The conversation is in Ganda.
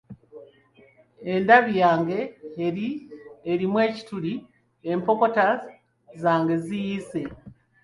Endabi yange erimu ekituli, empokota zange ziyiise.